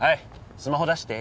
スマホ出して。